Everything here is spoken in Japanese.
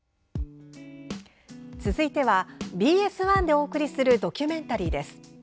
続いては、ＢＳ１でお送りするドキュメンタリーです。